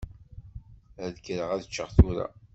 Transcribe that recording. Ad kkreɣ ad ččeɣ tura.